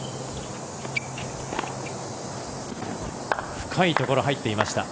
深いところ入っていました。